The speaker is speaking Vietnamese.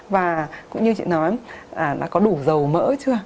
và cũng như chị nói nó có đủ dầu mỡ chưa